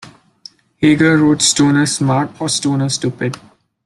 Hager wrote Stoner Smart or Stoner Stupid?